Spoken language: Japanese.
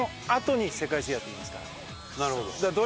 なるほど。